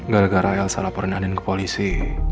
gara gara elsa laporin ke polisi